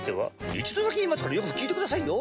一度だけ言いますからよく聞いてくださいよ。